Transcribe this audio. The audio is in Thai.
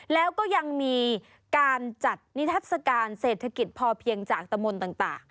แล้วก็ยังมีการจัดนิทัศกาลเศรษฐกิจพอเพียงจากตะมนต์ต่าง